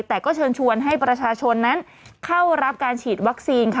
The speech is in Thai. แต่ก็เชิญชวนให้ประชาชนนั้นเข้ารับการฉีดวัคซีนค่ะ